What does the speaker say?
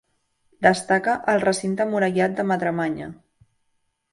Destaca el Recinte emmurallat de Madremanya.